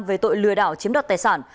về tội lừa đảo chiếm đoạt tài sản